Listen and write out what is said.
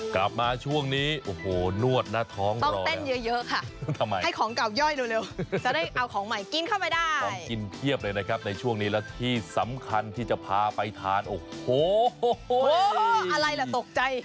กลับมาช่วงนี้โอ้โหนวดหน้าท้องต้องเต้นเยอะค่ะให้ของเก่าย่อยเร็วจะได้เอาของใหม่กินเข้าไปได้ของกินเพียบเลยนะครับในช่วงนี้แล้วที่สำคัญที่จะพาไปทานโอ้โหอะไรล่ะตกใจ